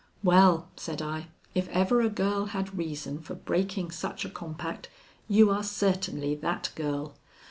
"Well," said I, "if ever a girl had reason for breaking such a compact you are certainly that girl.